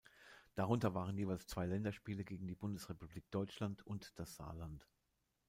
Darunter waren jeweils zwei Länderspiele gegen die Bundesrepublik Deutschland und das Saarland.